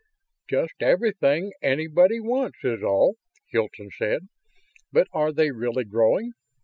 "Just everything anybody wants, is all," Hilton said. "But are they really growing?